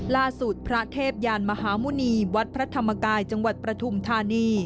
พระเทพยานมหาหมุณีวัดพระธรรมกายจังหวัดปฐุมธานี